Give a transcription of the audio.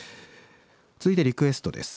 続いてリクエストです。